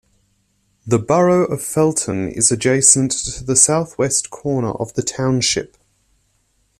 The borough of Felton is adjacent to the southwest corner of the township.